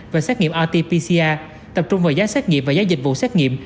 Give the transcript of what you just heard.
và xét nghiệm rt pcr tập trung vào giá xét nghiệm và giá dịch vụ xét nghiệm